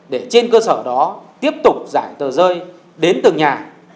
để trên cơ sở đó tiếp tục giải tờ rơi đến từng nhà